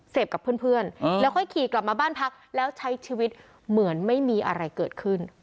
กับเพื่อนแล้วค่อยขี่กลับมาบ้านพักแล้วใช้ชีวิตเหมือนไม่มีอะไรเกิดขึ้น